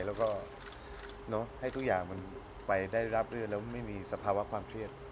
แล้วก็ให้ทุกอย่างมันไปได้รับเรื่องแล้วไม่มีสภาวะความเครียด